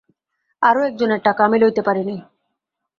আরো একজনের টাকা আমি লইতে পারি নাই।